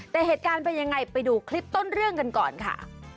แต่เหตุการณ์เป็นยังไงไปดูคลิปต้นเรื่องกันก่อนค่ะ